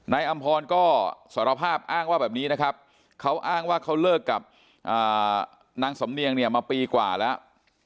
อำพรก็สารภาพอ้างว่าแบบนี้นะครับเขาอ้างว่าเขาเลิกกับนางสำเนียงเนี่ยมาปีกว่าแล้ว